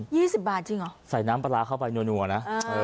สิบบาทจริงเหรอใส่น้ำปลาร้าเข้าไปนัวนะเออ